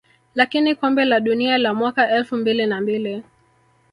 lakini kombe la dunia la mwaka elfu mbili na mbili